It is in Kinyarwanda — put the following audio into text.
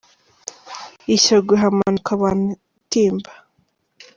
I Shyogwe hamanuka abantu itimba